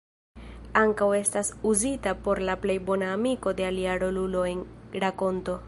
Ankaŭ estas uzita por la plej bona amiko de alia rolulo en rakonto.